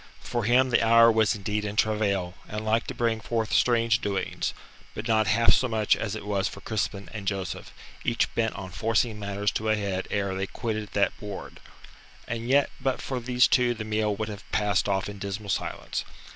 For him the hour was indeed in travail and like to bring forth strange doings but not half so much as it was for Crispin and Joseph, each bent upon forcing matters to a head ere they quitted that board. And yet but for these two the meal would have passed off in dismal silence.